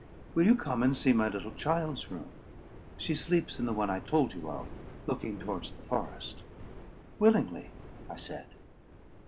"Will you come and see my little child's room? She sleeps in the one I told you of, looking towards the forest." "Willingly," I said.